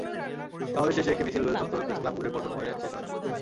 সমাবেশ শেষে একটি মিছিল দোয়েল চত্বর-প্রেসক্লাব ঘুরে পল্টন মোড়ে শেষ হয়।